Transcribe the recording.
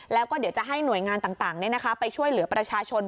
แล้วก็เดี๋ยวจะให้หน่วยงานต่างไปช่วยเหลือประชาชน